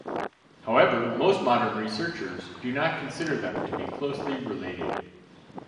However, most modern researchers do not consider them to be closely related.